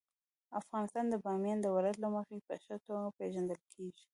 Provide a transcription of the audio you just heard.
افغانستان د بامیان د ولایت له مخې په ښه توګه پېژندل کېږي.